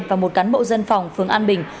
và một cán bộ dân phòng phường an bình